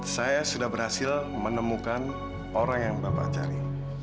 saya sudah berhasil menemukan orang yang bapak cari